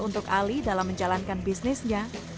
untuk ali dalam menjalankan bisnisnya